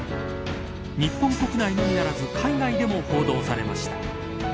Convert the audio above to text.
日本国内のみならず海外でも報道されました。